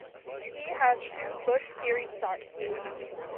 He has two Busch Series starts.